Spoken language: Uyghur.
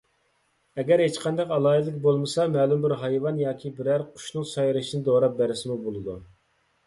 ئەگەر ھېچقانداق ئالاھىدىلىكى بولمىسا، مەلۇم بىر ھايۋان ياكى بىرەر قۇشنىڭ سايرىشىنى دوراپ بەرسىمۇ بولىدۇ.